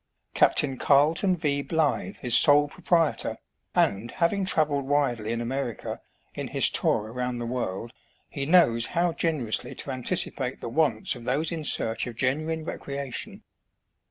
Capt. Carleton V. Blythe is sole proprietor, and, having travelled widely in America, in his tour around the world, he knows how generously to antici pate the wants of those in search of genuine recrea 47 48 STAGE COACHING IN ENGLAND. tion.